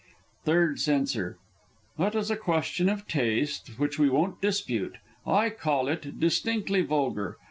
Third C. That is a question of taste, which we won't dispute. I call it distinctly vulgar.